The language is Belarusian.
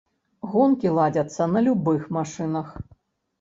Гонкі ладзяцца на любых машынах.